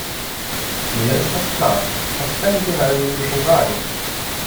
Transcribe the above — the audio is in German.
Mir ist das klar was können Sie in einer Minute schon sagen!